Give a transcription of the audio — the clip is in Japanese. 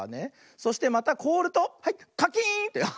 そしてまたこおるとはいカキーンってかたまったね。